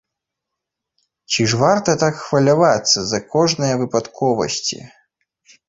Ці ж варта так хвалявацца з-за кожнае выпадковасці?